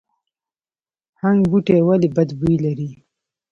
هنګ بوټی ولې بد بوی لري؟